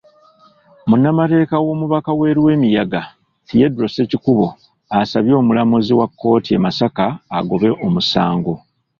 Munnamateeka w'omubaka we Lwemiyaga, Theodore Ssekikubo, asabye omulamuzi wa kkooti e Masaka agobe omusango.